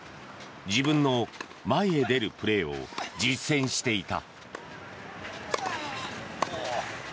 自分の前へ出るプレーを実践していた。